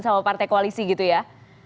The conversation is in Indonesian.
sama partai koalisi gitu ya